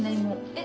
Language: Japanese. え？